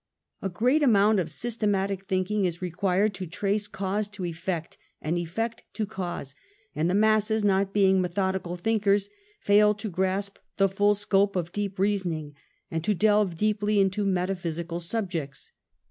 A great amount of systematic thinking is required to trace cause to effect and ef fect to cause and the masses not being methodical thinkers fail to grasp the full scope of deep reason ing, and to delve deeply into metaphysical subjects.